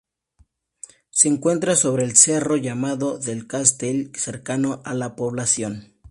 Se encuentra sobre el cerro llamado "del Castellet", cercano a la población.